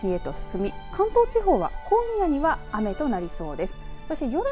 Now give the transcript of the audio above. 雨雲、このあと、東へと進み関東地方は今夜には雨となりそうです。